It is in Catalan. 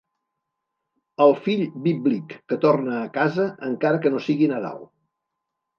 El fill bíblic que torna a casa encara que no sigui Nadal.